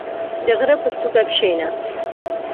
• د غره په څوکه کښېنه.